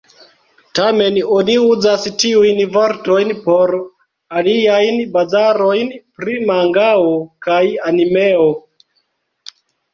Tamen oni uzas tiujn vortojn por aliaj bazaroj pri mangao kaj animeo.